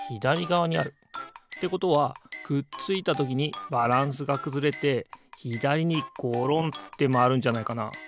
ということはくっついたときにバランスがくずれてひだりにごろんってまわるんじゃないかな？